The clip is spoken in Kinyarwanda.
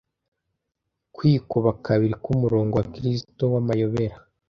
kwikuba kabiri kumurongo wa kristo w'amayobera